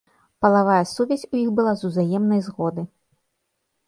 Палавая сувязь у іх была з узаемнай згоды.